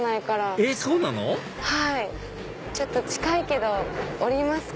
えっそうなの⁉ちょっと近いけど降りますか。